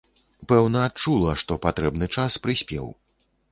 Пэўна, адчула, што патрэбны час прыспеў.